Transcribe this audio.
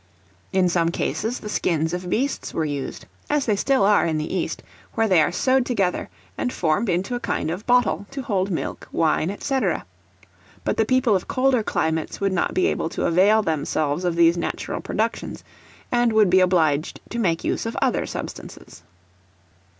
In some cases the skins of beasts were used, as they still are in the East, where they are sewed together, and formed into a kind of bottle to hold milk, wine, &c. but the people of colder climates would not be able to avail themselves of these natural productions, and would be obliged to make use of other substances.